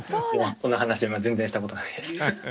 その話は全然したことないです。